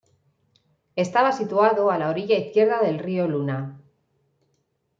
Estaba situado a la orilla izquierda del río Luna.